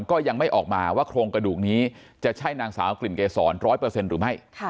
ก็ยังไม่ออกมาว่าโครงกระดูกนี้จะใช่นางสาวกลิ่นเกษร๑๐๐หรือไม่